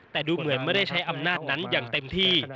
แต่ดูเหมือนไม่ได้ใช้อำนาจนั้นอย่างเต็มที่